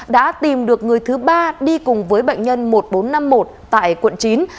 đã tìm được người thứ ba đi cùng với bệnh nhân một nghìn bốn trăm năm mươi một tại quận chín